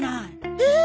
えっ？